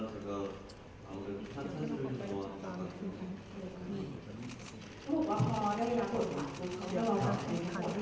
หรือไม่เล่นบทบาทเลยดี